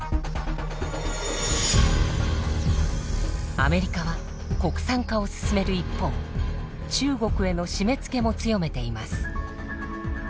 アメリカは国産化を進める一方中国への締めつけも強めています。